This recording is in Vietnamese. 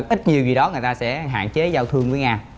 ít nhiều gì đó người ta sẽ hạn chế giao thương với nga